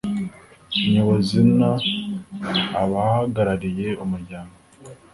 Nyobozi n abahagarariye umuryango